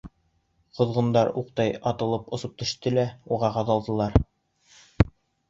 Ҡоҙғондар уҡтай атылып осоп төштө лә уға ҡаҙалдылар.